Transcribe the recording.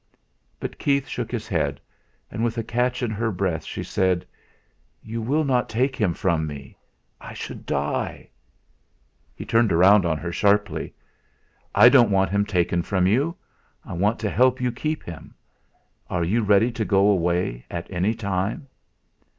But Keith shook his head. And with a catch in her breath, she said: "You will not take him from me. I should die." He turned round on her sharply. "I don't want him taken from you. I want to help you keep him. Are you ready to go away, at any time?"